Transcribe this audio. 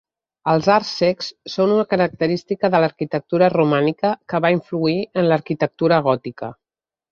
Els arcs cecs són una característica de l'arquitectura romànica que va influir en l'arquitectura gòtica.